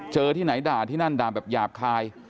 ที่ไหนด่าที่นั่นด่าแบบหยาบคาย